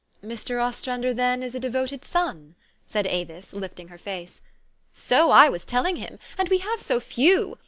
"Mr. Ostrander, then, is a devoted sou?" said Avis, lifting her face. " So I was telling him. And we have so few!